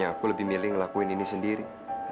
kamu mau memakainya sendiri